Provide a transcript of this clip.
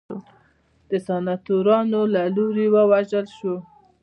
د سناتورانو له لوري ووژل شو.